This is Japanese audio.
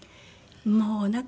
もうなんか。